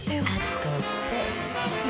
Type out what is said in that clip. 後で。